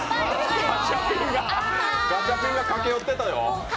ガチャピンが駆け寄ってたよ。